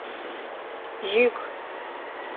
Йӱк: